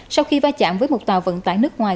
sau khi va chạm với một tàu vận tải nước ngoài